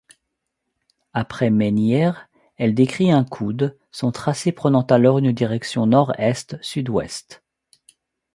Après Maisnières, elle décrit un coude, son tracé prenant alors une direction nord-est sud-ouest.